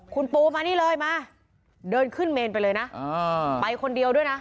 คุณปูมานี่เลยมาเดินขึ้นเมนไปเลยนะไปคนเดียวด้วยนะ